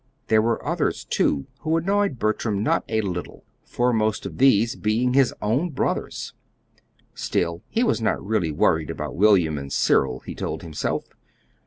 There were others, too, who annoyed Bertram not a little, foremost of these being his own brothers. Still he was not really worried about William and Cyril, he told himself.